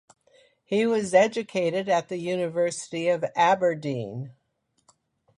He was educated at the University of Aberdeen.